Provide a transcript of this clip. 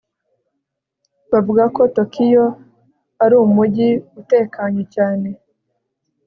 Bavuga ko Tokiyo ari umujyi utekanye cyane